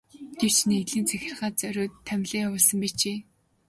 Гэвч нэгдлийн захиргаа зориуд томилон явуулсан байжээ.